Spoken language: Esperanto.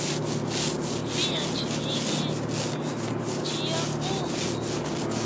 Fianĉiniĝi kun tia ulo!